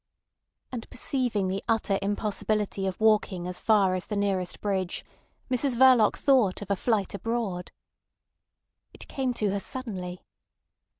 And perceiving the utter impossibility of walking as far as the nearest bridge, Mrs Verloc thought of a flight abroad. It came to her suddenly.